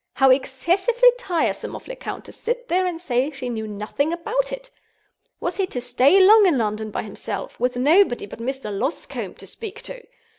How excessively tiresome of Lecount to sit there and say she knew nothing about it! Was he to stay long in London by himself, with nobody but Mr. Loscombe to speak to?